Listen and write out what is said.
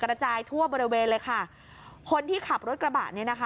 กระจายทั่วบริเวณเลยค่ะคนที่ขับรถกระบะเนี่ยนะคะ